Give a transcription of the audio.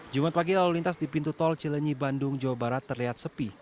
jumat pagi lalu lintas di pintu tol cilenyi bandung jawa barat terlihat sepi